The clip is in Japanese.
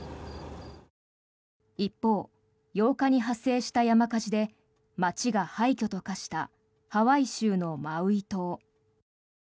一方、８日に発生した山火事で街が廃虚と化したハワイ州のマウイ島。